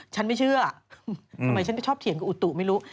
ฉันไม่เชื่อทำไมฉันไม่ชอบเถียงกับอุตุไม่รู้